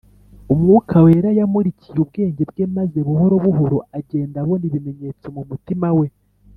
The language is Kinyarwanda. umwuka wera yamurikiye ubwenge bwe, maze buhoro buhoro agenda abona ibimenyetso mu mutima we